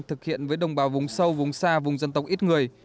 thực hiện với đồng bào vùng sâu vùng xa vùng dân tộc ít người